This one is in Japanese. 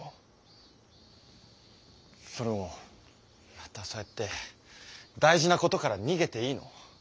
またそうやって大事なことから逃げていいの？